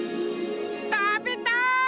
たべたい！